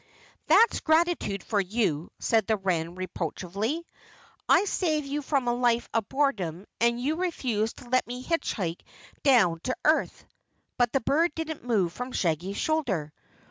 "That's gratitude for you," said the wren reproachfully. "I save you from a life of boredom and you refuse to let me hitchhike down to earth." But the bird didn't move from Shaggy's shoulder.